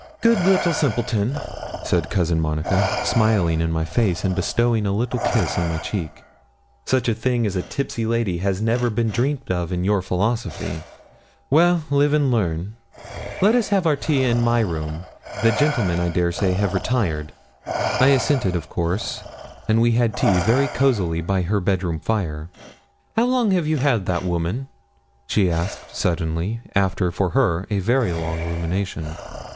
'Good little simpleton!' said Cousin Monica, smiling in my face, and bestowing a little kiss on my cheek; 'such a thing as a tipsy lady has never been dreamt of in your philosophy. Well, we live and learn. Let us have our tea in my room the gentlemen, I dare say, have retired.' I assented, of course, and we had tea very cosily by her bedroom fire. 'How long have you had that woman?' she asked suddenly, after, for her, a very long rumination.